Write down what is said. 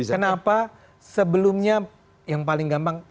kenapa sebelumnya yang paling gampang